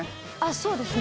そうですね。